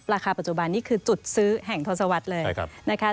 ราคาปัจจุบันนี่คือจุดซื้อแห่งทศวรรษเลย